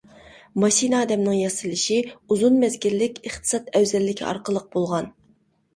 ماشىنا ئادەمنىڭ ياسىلىشى ئۇزۇن مەزگىللىك ئىقتىساد ئەۋزەللىكى ئارقىلىق بولغان.